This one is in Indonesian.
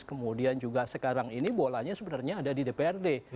kemudian juga sekarang ini bolanya sebenarnya ada di dprd